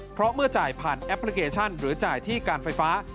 เพราะเมื่อจ่ายผ่านแอปพลิเคชันหรือจ่ายที่การไฟฟ้า